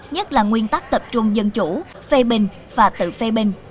nhất là nguyên tắc tập trung dân chủ phê bình và tự phê bình